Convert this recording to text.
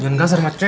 jangan gasar macem